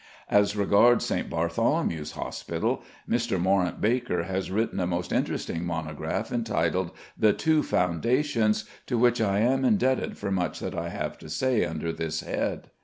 As regards St. Bartholomew's Hospital, Mr. Morrant Baker has written a most interesting monograph, entitled "The Two Foundations," to which I am indebted for much that I have to say under this head.